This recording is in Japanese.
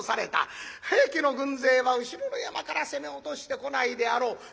平家の軍勢は後ろの山から攻め落としてこないであろう。